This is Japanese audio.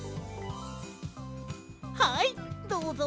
はいどうぞ。